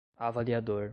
avaliador